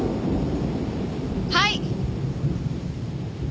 はい！